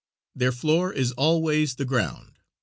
Their floor is always the ground.